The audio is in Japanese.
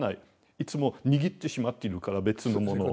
いつも握ってしまっているから別のものを。